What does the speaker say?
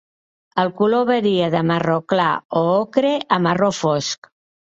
El color varia de marró clar o ocre a marró fosc.